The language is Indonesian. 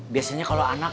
biasanya kalau anak